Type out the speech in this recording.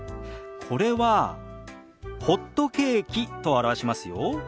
これは「ホットケーキ」と表しますよ。